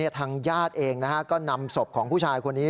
ทางญาติเองก็นำศพของผู้ชายคนนี้